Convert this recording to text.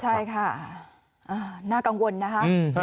ใช่ค่ะน่ากังวลนะคะ